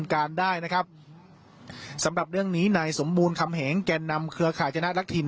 ขานี้นลิลิสต์